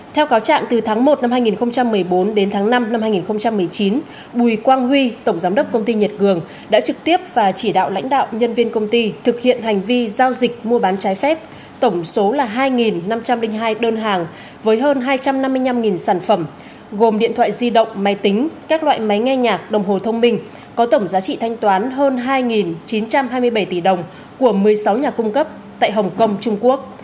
theo cáo trạng từ tháng một năm hai nghìn một mươi bốn đến tháng năm năm hai nghìn một mươi chín bùi quang huy tổng giám đốc công ty nhật cường đã trực tiếp và chỉ đạo lãnh đạo nhân viên công ty thực hiện hành vi giao dịch mua bán trái phép tổng số là hai năm trăm linh hai đơn hàng với hơn hai trăm năm mươi năm sản phẩm gồm điện thoại di động máy tính các loại máy nghe nhạc đồng hồ thông minh có tổng giá trị thanh toán hơn hai chín trăm hai mươi bảy tỷ đồng của một mươi sáu nhà cung cấp tại hồng kông trung quốc